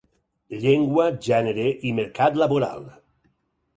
Llengua, gènere i mercat laboral.